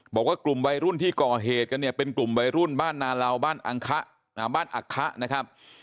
บอกว่ากลุ่มวัยรุ่นที่ก่อเหตุกันเนี่ยเป็นกลุ่มวัยรุ่นบ้านนาเหลาบ้านอักขะนะครับ